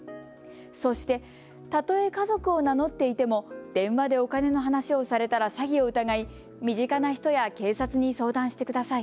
そして、たとえ家族を名乗っていても電話でお金の話をされたら詐欺を疑い、身近な人や警察に相談してください。